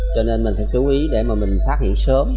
cho nên mình phải chú ý để mà mình phát hiện sớm